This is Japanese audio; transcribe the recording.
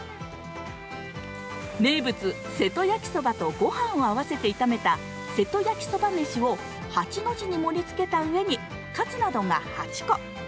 名物・瀬戸焼そばと御飯を合わせて炒めた瀬戸焼そばめしを８の字に盛りつけた上に、カツなどが８個。